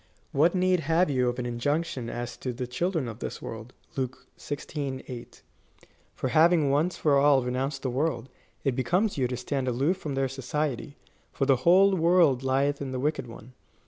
"What need have you of an injunction as to the children of this ivorld, (Luke xvi. 8,) for having once for all renounced the world, it becomes you to stand aloof from their society ; for the whole world lieth in the wicked one."